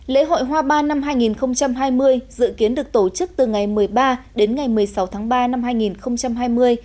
lễ hội hoa ban năm hai nghìn hai mươi dự kiến được tổ chức từ ngày một mươi ba đến ngày một mươi sáu tháng ba năm hai nghìn hai mươi